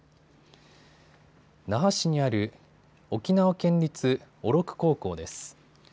那覇市にある沖縄県立小禄高校です。